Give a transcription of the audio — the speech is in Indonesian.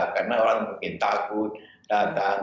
karena orang mungkin takut datang